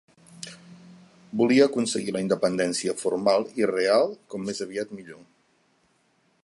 Volia aconseguir la Independència formal i real, com més aviat millor.